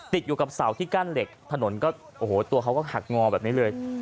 ติดอยู่กับเสาที่กั้นเหล็กถนนก็โอ้โหตัวเขาก็หักงอแบบนี้เลย